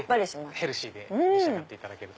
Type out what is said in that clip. ヘルシーに召し上がっていただける。